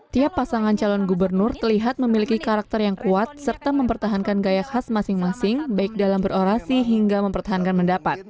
tiap pasangan calon gubernur terlihat memiliki karakter yang kuat serta mempertahankan gaya khas masing masing baik dalam berorasi hingga mempertahankan pendapat